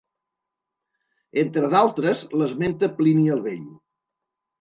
Entre d'altres l'esmenta Plini el Vell.